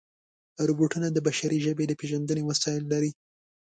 روبوټونه د بشري ژبې د پېژندنې وسایل لري.